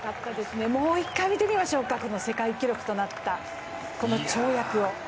もう一回見てみましょうか、この世界記録となった跳躍を。